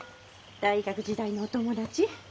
大学時代のお友達？